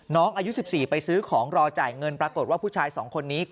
น้องอายุ๑๔ไปซื้อของรอจ่ายเงินปรากฏว่าผู้ชาย๒คนนี้